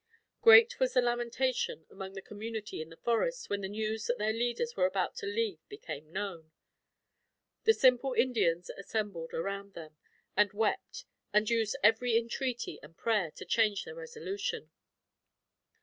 Great was the lamentation, among the community in the forest, when the news that their leaders were about to leave became known. The simple Indians assembled around them, and wept, and used every entreaty and prayer, to change their resolution.